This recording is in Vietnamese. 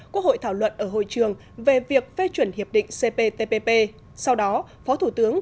quốc hội thảo luận ở hội trường về việc phê chuẩn hiệp định cptpp sau đó phó thủ tướng